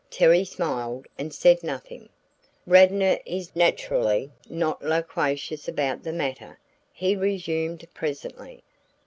Terry smiled and said nothing. "Radnor is naturally not loquacious about the matter," he resumed presently.